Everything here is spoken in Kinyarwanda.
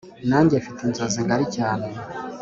nange mfite inzozi ngari cyane,